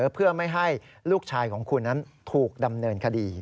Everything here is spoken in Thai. เพื่อไม่ให้ลูกชายของคุณนั้นถูกดำเนินคดี